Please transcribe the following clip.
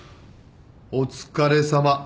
・お疲れさま。